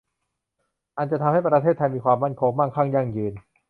อันจะทำให้ประเทศไทยมีความมั่นคง มั่งคั่ง ยั่งยืน